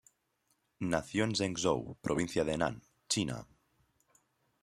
Nació en Zhengzhou, provincia de Henan, China.